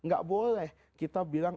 gak boleh kita bilang